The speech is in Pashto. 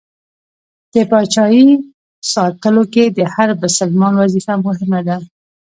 د پاچایۍ ساتلو کې د هر بسلمان وظیفه مهمه ده.